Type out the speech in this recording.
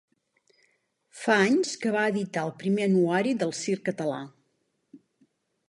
Fa anys que va editar el Primer Anuari del Circ Català.